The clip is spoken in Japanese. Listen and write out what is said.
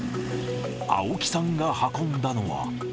青木さんが運んだのは。